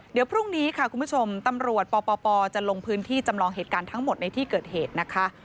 เดี๋ยวพรุ่งนี้ค่ะคุณผู้ชมตำรวจปปจะลงพื้นที่จำลองเหตุการณ์ทั้งหมดในที่เกิดเหตุนะคะ